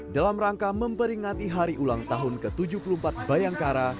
dalam rangka memperingati hari ulang tahun ke tujuh puluh empat bayangkara